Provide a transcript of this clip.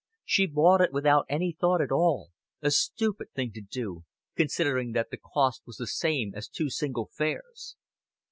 She bought it without any thought at all a stupid thing to do, considering that the cost was the same as two single fares.